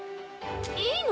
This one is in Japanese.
いいの？